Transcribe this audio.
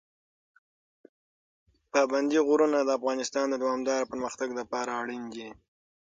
پابندی غرونه د افغانستان د دوامداره پرمختګ لپاره اړین دي.